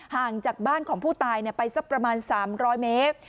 ห่างจากบ้านของผู้ตายไปสักประมาณ๓๐๐เมตร